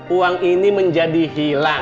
uang ini menjadi hilang